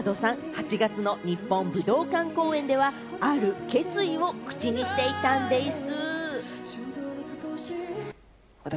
８月の日本武道館公演ではある決意を口にしていたんでぃす。